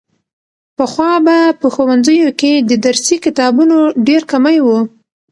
پخوا به په ښوونځیو کې د درسي کتابونو ډېر کمی و.